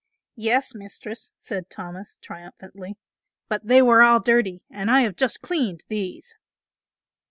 "Yes, Mistress," said Thomas, triumphantly, "but they were all dirty and I have just cleaned these."